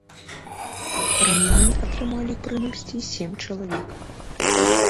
Раненні атрымалі прынамсі сем чалавек.